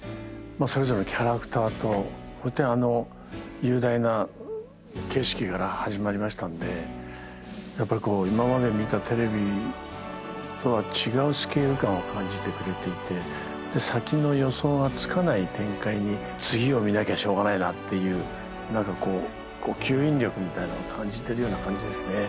あそれぞれのキャラクターとそしてあの雄大な景色から始まりましたんでやっぱり今まで見たテレビとは違うスケール感を感じてくれていてで先の予想がつかない展開に次を見なきゃしょうがないなっていうなんか吸引力みたいなのは感じてるような感じですね